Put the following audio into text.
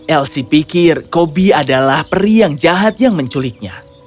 elsie pikir kobi adalah peri yang jahat yang menculiknya